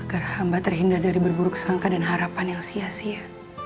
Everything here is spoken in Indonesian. agar hamba terhindar dari berburuk sangka dan harapan yang sia sia